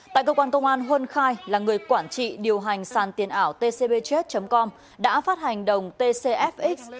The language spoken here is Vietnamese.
tại cơ quan công an huân khai là người quản trị điều hành sàn tiền ảo tcbj com đã phát hành đồng tcfx